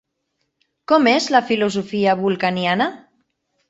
Com és la filosofia vulcaniana?